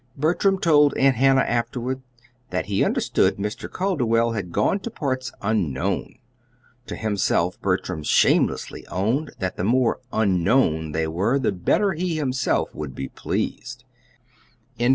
Bertram told Aunt Hannah afterward that he understood Mr. Calderwell had gone to parts unknown. To himself Bertram shamelessly owned that the more "unknown" they were, the better he himself would be pleased.